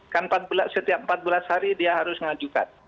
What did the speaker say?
kan setiap empat belas hari dia harus mengajukan